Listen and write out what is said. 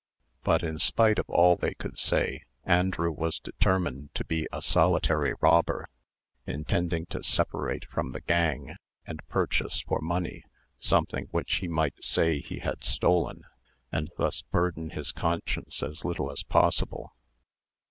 But in spite of all they could say, Andrew was determined to be a solitary robber; intending to separate from the gang, and purchase for money something which he might say he had stolen, and thus burden his conscience as little as possible.